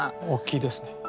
おっきいですね。